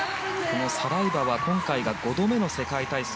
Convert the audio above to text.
サライバは今回は５度目の世界体操。